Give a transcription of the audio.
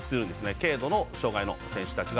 軽度の障がいの選手たちが。